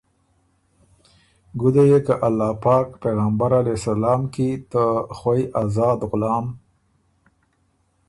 ګُده يې که الله پاک پېغمبر علیه سلام کی ته خوئ آزاد غلام